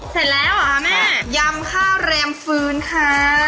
เสร็จแล้วเหรอคะแม่ยำข้าวเรียมฟื้นค่ะ